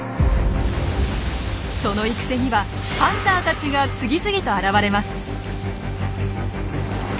その行く手にはハンターたちが次々と現れます。